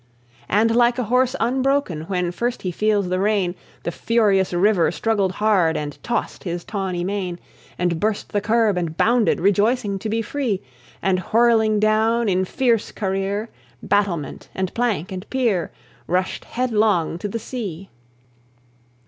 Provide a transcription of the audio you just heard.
And, like a horse unbroken When first he feels the rein, The furious river struggled hard, And tossed his tawny mane; And burst the curb, and bounded, Rejoicing to be free, And whirling down, in fierce career, Battlement, and plank, and pier, Rushed headlong to the sea.